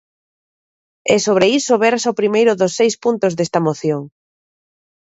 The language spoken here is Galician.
E sobre iso versa o primeiro dos seis puntos desta moción.